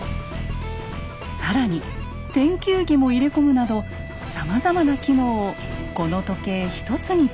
更に天球儀も入れ込むなどさまざまな機能をこの時計１つに詰め込みました。